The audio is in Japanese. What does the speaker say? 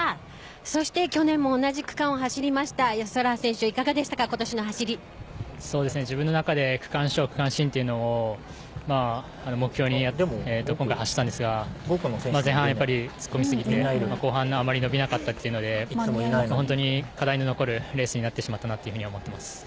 そして、去年も同じ区間を走りました安原選手いかがでしたか自分の中で区間賞、区間新というのを目標にして、今回走ったんですが前半はやっぱり突っ込みすぎて後半はあまり伸びなかったというので課題の残るレースになってしまったかなと思います。